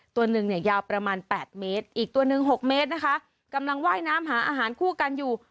ตัวหนึ่งเนี่ยยาวประมาณแปดเมตรอีกตัวหนึ่งหกเมตรนะคะกำลังว่ายน้ำหาอาหารคู่กันอยู่